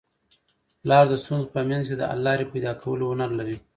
پلار د ستونزو په منځ کي د حل لاري پیدا کولو هنر لري.